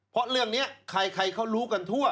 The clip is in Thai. เพราะเรื่องนี้ใครเขารู้กันทั่ว